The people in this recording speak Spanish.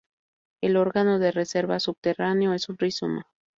El órgano de reserva subterráneo es un rizoma.